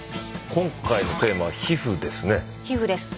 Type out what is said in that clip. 今回のテーマは「皮膚」ですね。